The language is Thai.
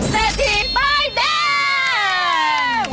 เศรษฐีป้ายแดง